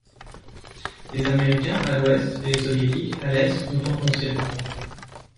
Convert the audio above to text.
Les Américains, à l'ouest, et les Soviétiques, à l'est, ont enfoncé le front.